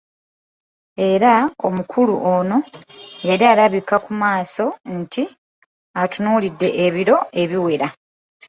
Era omukulu ono yali alabika ku maaso nti atunuulidde ebiro ebiwera.